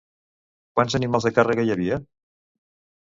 Quants animals de càrrega hi havia?